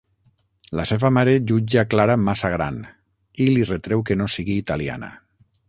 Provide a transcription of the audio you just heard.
La seva mare jutja Clara massa gran i li retreu que no sigui italiana.